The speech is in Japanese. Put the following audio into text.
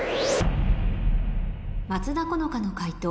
松田好花の解答